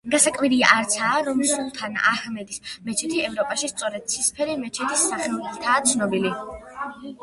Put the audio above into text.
გასაკვირი არცაა, რომ სულთან აჰმედის მეჩეთი ევროპაში სწორედ ცისფერი მეჩეთის სახელითაა ცნობილი.